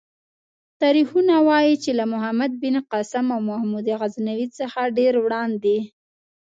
تاریخونه وايي چې له محمد بن قاسم او محمود غزنوي څخه ډېر وړاندې.